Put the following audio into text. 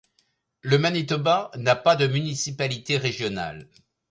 Le Manitoba n'a pas de municipalités régionales.